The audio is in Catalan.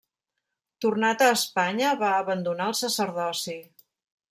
Tornat a Espanya va abandonar el sacerdoci.